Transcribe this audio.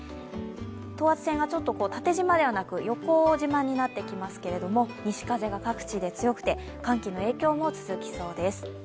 等圧線が縦じまではなく横じまになってきますけれども、西風が各地で強くで寒気の影響も続きそうです。